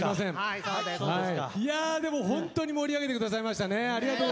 いやでもホントに盛り上げてくださいましたね。